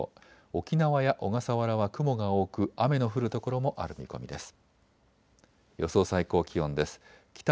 沖縄や小笠原は雲が多く雨の降る所もある見込みです。